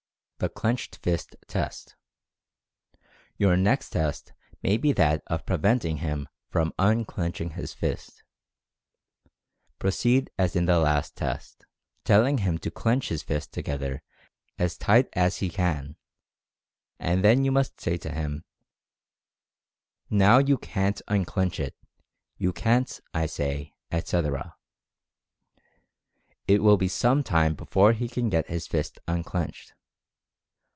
THE "CLENCHED FIST" TEST. Your next test may be that of preventing him from unclenching his fist. Proceed as in the last test, tell ing him to clench his fist together as tight as he can, and then you must say to him : "Now you CAN'T un clench it — you CAN'T, I say, etc." It will be some time before he can get his fist unclenched.